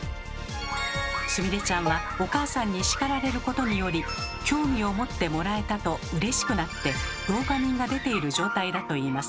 すみれちゃんはお母さんに叱られることにより興味を持ってもらえたとうれしくなってドーパミンが出ている状態だといいます。